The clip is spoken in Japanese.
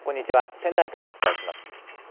仙台からお伝えします。